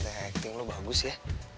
saya acting lo bagus ya